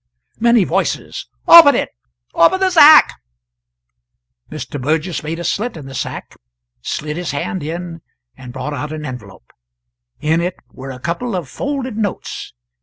] Many Voices. "Open it! open the sack!" Mr. Burgess made a slit in the sack, slid his hand in, and brought out an envelope. In it were a couple of folded notes.